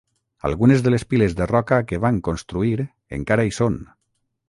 Algunes de les piles de roca que van construir encara hi són.